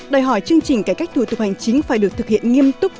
đòi hỏi chương trình cải cách thủ tục hành chính phải được thực hiện nghiêm túc